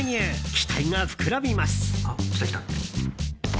期待が膨らみます。